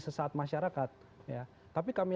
sesaat masyarakat ya tapi kami